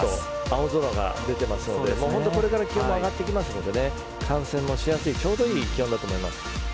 青空が出ていますのでこれから気温も上がってきますし観戦もしやすいちょうどいい天気だと思います。